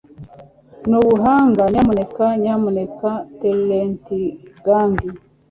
n'ubuhanga nyamuneka nyamuneka talentgang